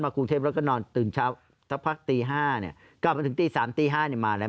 มาครูเพศก็นอนตื่นเช้าตั้งแต่กว่าตี่๕ก็พอหยุดตีสองตี่ห้านะมาแล้ว